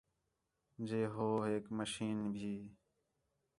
جئے ہو ہِک مشین بھی